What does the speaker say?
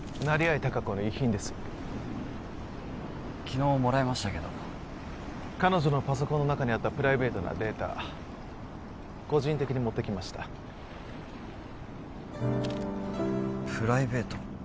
成合隆子の遺品です昨日もらいましたけど彼女のパソコンの中にあったプライベートなデータ個人的に持ってきましたプライベート？